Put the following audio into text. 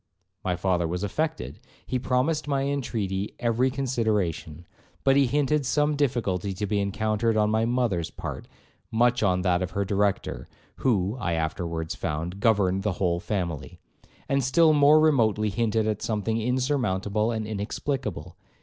My father was affected; he promised my intreaty every consideration; but he hinted some difficulty to be encountered on my mother's part, much on that of her Director, who (I afterwards found) governed the whole family, and still more remotely hinted at something insurmountable and inexplicable.